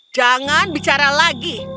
jangan bicara lagi